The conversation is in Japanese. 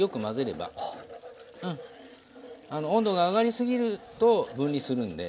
あの温度が上がり過ぎると分離するんで。